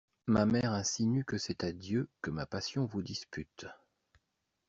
Ma mère insinue que c'est à Dieu que ma passion vous dispute.